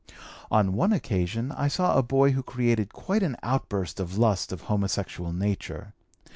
"On one occasion I saw a boy who created quite an outburst of lust of homosexual nature.